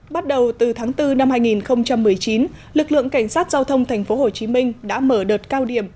bắt đầu từ tháng bốn năm hai nghìn một mươi chín lực lượng cảnh sát giao thông tp hcm đã mở đợt cao điểm